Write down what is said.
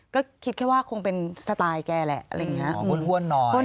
ก็คิดแค่ว่าคงเป็นสไตล์แกแหละอะไรอย่างนี้